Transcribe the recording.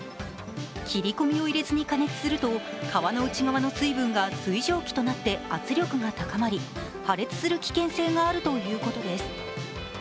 切り込みを入れずに加熱すると皮の内側の水分が水蒸気となって圧力が高まり破裂する危険性があるということです。